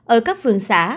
ở các phương xã